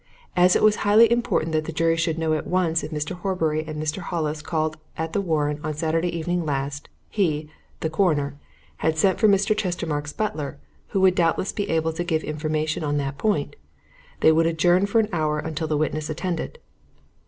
As it was highly important that the jury should know at once if Mr. Horbury and Mr. Hollis called at the Warren on Saturday evening last, he, the Coroner, had sent for Mr. Chestermarke's butler, who would doubtless be able to give information on that point. They would adjourn for an hour until the witness attended.'"